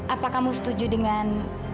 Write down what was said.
apa kamu setuju dengan